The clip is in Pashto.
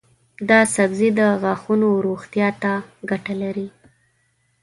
دا سبزی د غاښونو روغتیا ته ګټه لري.